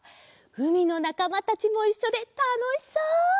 うみのなかまたちもいっしょでたのしそう！